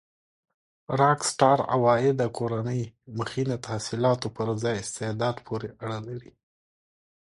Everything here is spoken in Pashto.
راک سټار عوایده کورنۍ مخینه تحصيلاتو پر ځای استعداد پورې اړه لري.